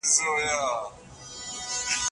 دروغ د مینې د بقا لپاره ګټور کیدی سي.